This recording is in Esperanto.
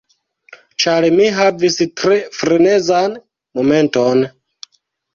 Ĉar mi havis tre frenezan momenton.